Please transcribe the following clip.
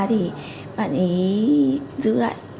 thì bạn ấy giữ lại